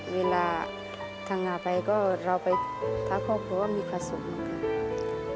เวลาทำงานไปก็เราไปทักครอบครัวว่ามีผสมเหมือนกัน